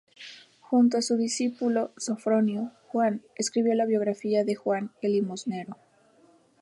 Junto a su discípulo Sofronio, Juan escribió la biografía de Juan el Limosnero.